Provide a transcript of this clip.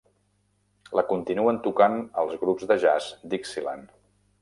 La continuen tocant els grups de jazz Dixieland.